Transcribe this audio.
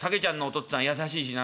っつぁん優しいしな。